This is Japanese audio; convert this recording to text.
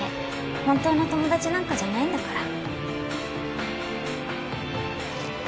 本当の友達なんかじゃないんだから